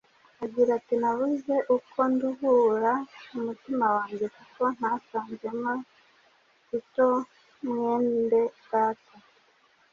agira ati: “Nabuze uko nduhura umutima wanjye kuko ntasanzeyo Tito mwende Data.